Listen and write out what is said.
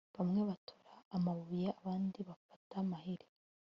bamwe batora amabuye, abandi bafata amahiri